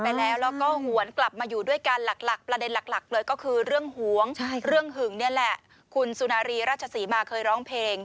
เพราะว่าคลุกเกี่ยวกันคือเ